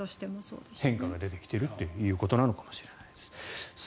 だから変化が出てきているということなのかもしれないです。